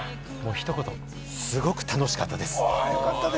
ひと言、すごく楽しかったです。